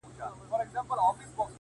o خو د غوجلې ځای لا هم چوپ او خالي دی,